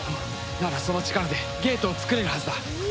ならその力でゲートを作れるはずだ。